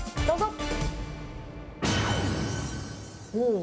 どうぞ。